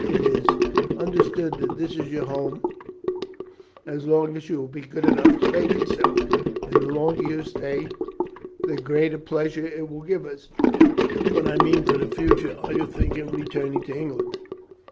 It is understood that this is your home as long as you will be good enough to make it so, and the longer you stay the greater pleasure it will give us; but I mean for the future. Are you thinking of returning to England?"